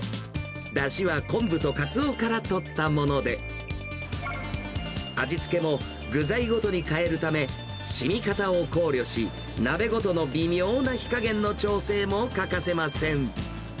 だしは昆布とかつおからとったもので、味付けも具材ごとに変えるため、しみ方を考慮し、鍋ごとの微妙な火加減の調整も欠かせません。